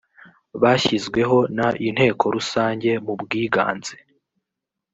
bashyizweho n inteko rusange mu bwiganze